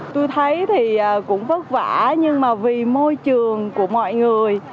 tôi thấy thì cũng vất vả nhưng mà vì môi trường của mọi người